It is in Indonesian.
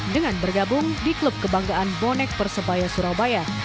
dengan bergabung di klub kebanggaan bonek persebaya surabaya